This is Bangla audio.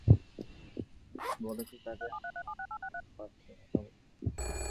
বলেছি তাকে আমার আম্মি আর আব্বার সাথে কথা বলতে হবে।